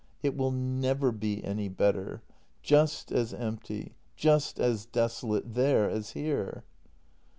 It will never be any better. Just as empty — just as desolate — there as here.